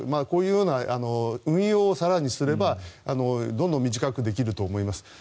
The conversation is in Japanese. こういうような運用を更にすればどんどん短くできると思います。